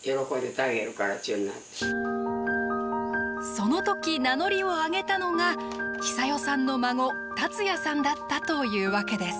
その時名乗りを上げたのがヒサヨさんの孫達也さんだったというわけです。